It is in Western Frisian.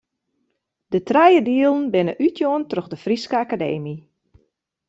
De trije dielen binne útjûn troch de Fryske Akademy.